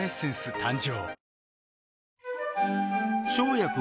誕生